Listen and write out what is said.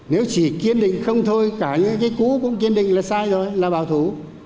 nếu chỉ kiên định không thôi cả những cái cũ cũng kiên định là sai rồi là bảo thủ